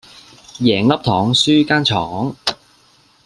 贏粒糖輸間廠